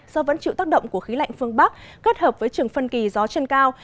do vẫn chịu tác động của khí lạnh phương bắc kết hợp với trường phân kỳ gió trên cao